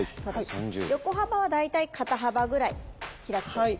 横幅は大体肩幅ぐらい開いて下さい。